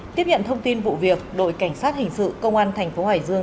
tiếp nhận thông tin vụ việc đội cảnh sát hình sự công an thành phố hải dương